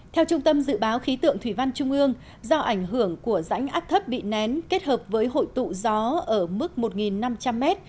theo trung tâm dự báo khí tượng thủy văn trung ương do ảnh hưởng của rãnh áp thấp bị nén kết hợp với hội tụ gió ở mức một năm trăm linh m